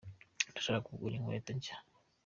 Ndashaka kugura inkweto nshya.